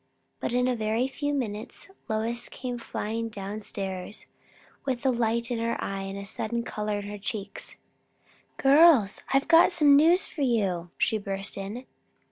But in a very few minutes Lois came flying down stairs, with light in her eyes and a sudden colour in her cheeks. "Girls, I've got some news for you!" she burst in.